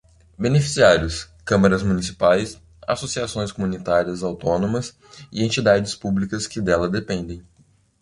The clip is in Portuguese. Beneficiários: câmaras municipais, associações comunitárias autónomas e entidades públicas que dela dependem.